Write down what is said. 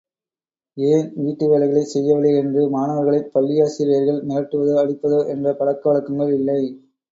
ஏன் வீட்டு வேலைகளைச் செய்யவில்லை என்று மாணவர்களைப் பள்ளியாசிரியர்கள் மிரட்டுவதோ அடிப்பதோ என்ற பழக்க வழக்கங்கள் இல்லை.